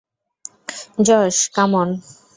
Josh, come on!